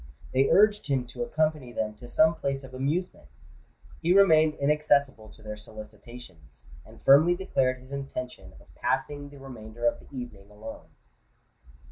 They urged him to accompany them to some place of amusement: he remained inaccessible to their solicitations, and firmly declared his intention of passing the remainder of the evening alone.